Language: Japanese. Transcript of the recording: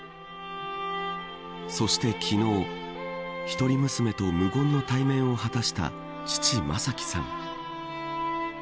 そして昨日一人娘と無言の対面を果たした父、正輝さん。